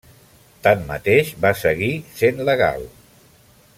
Tanmateix va seguir sent legal.